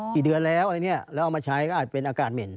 กี่เดือนแล้วอันนี้แล้วเอามาใช้ก็อาจเป็นอากาศเหม็น